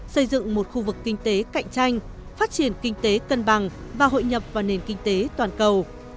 xây dựng một khu vực kinh tế cạnh tranh phát triển kinh tế cân bằng và hội nhập vào nền kinh tế toàn cầu